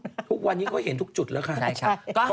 ทุกวันนี้เขาเห็นทุกจุดแล้วค่ะ